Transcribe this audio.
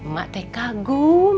mak teh kagum